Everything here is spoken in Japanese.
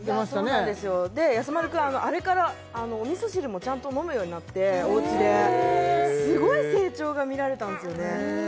そうなんですよやさ丸くんあれからお味噌汁もちゃんと飲むようになっておうちですごい成長が見られたんですよね